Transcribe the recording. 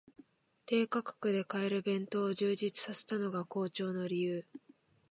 低価格で買える弁当を充実させたのが好調の理由